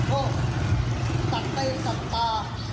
จัดเต้นจัดตา